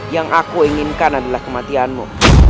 yang aku inginkan adalah kematianmu